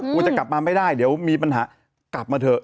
กูจะกลับมาไม่ได้เดี๋ยวมีปัญหากลับมาเถอะ